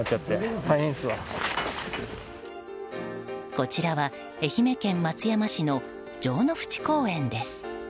こちらは愛媛県松山市の公園です。